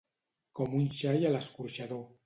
Com un xai a l'escorxador.